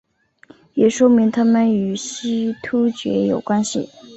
也说明他们与西突厥有关系。